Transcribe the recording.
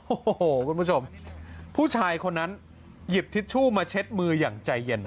โอ้โหคุณผู้ชมผู้ชายคนนั้นหยิบทิชชู่มาเช็ดมืออย่างใจเย็น